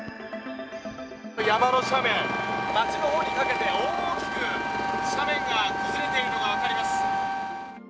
山の斜面、町の方にかけて大きく斜面が崩れているのが分かります。